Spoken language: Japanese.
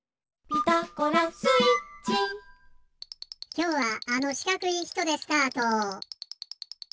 きょうはあのしかくいひとでスタート！